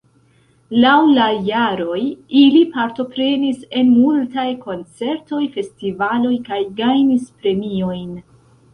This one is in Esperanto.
Laŭ la jaroj ili partoprenis en multaj koncertoj, festivaloj kaj gajnis premiojn.